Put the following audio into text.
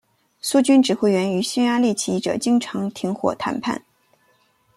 苏军指挥员与匈牙利起义者经常停火谈判。